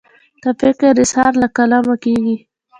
د فکر اظهار له قلمه کیږي.